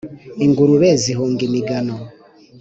ingurube zihunga imigano